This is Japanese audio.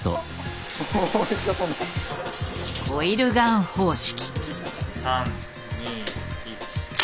コイルガン方式。